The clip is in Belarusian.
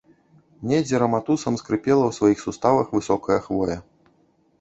Недзе раматусам скрыпела ў сваіх суставах высокая хвоя.